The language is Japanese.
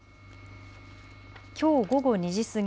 きょう午後２時過ぎ